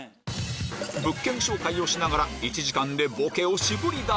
物件紹介をしながら１時間でボケをシボリダセ！